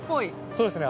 そうですね